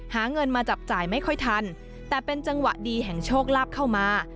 หาเงินมาจับจ่ายไม่ค่อยทันแต่เป็นจังหวะดีแห่งโชคลาภเข้ามา